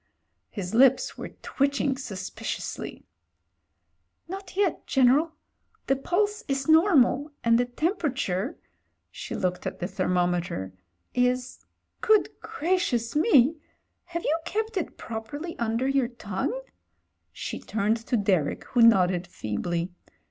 His lips were twitching suspiciously. "Not yet, General. The pulse is normal — and the temperature" — she looked at the thermometer — "is — good gracious me! have you kept it properly under your tongue?" She turned to Derek, who nodded feebly.